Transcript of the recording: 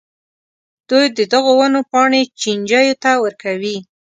دوی د دغو ونو پاڼې چینجیو ته ورکوي.